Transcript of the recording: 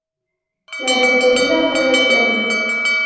La despedida fue eterna.